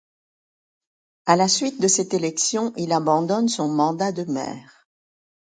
À la suite de cette élection, il abandonne son mandat de maire.